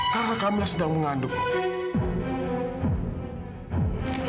karena kamila sedang mengandung